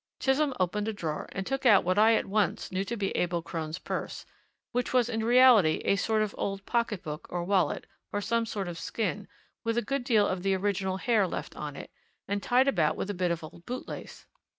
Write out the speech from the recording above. Chisholm opened a drawer and took out what I at once knew to be Abel Crone's purse which was in reality a sort of old pocket book or wallet, of some sort of skin, with a good deal of the original hair left on it, and tied about with a bit of old bootlace.